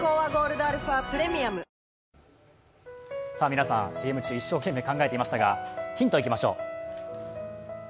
皆さん、ＣＭ中一生懸命考えていましたが、ヒントいきましょう。